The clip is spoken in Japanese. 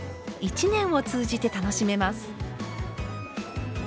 一年を通じて楽しめます。